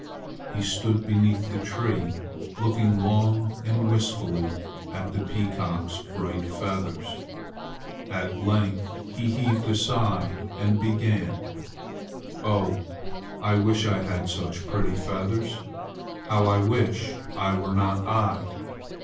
He stood beneath the tree looking long and wistfully at the peacock's bright feathers. At length he heaved a sigh and began: "Oh, I wish I had such pretty feathers! How I wish I were not I!